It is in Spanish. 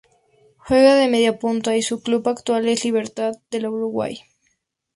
Juega de Mediapunta y su club actual es Libertad de la Uruguay.